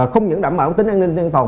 không những đảm bảo tính an ninh an toàn